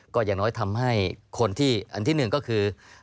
ก็อย่างน้อยทำให้คนที่อันที่หนึ่งก็คือ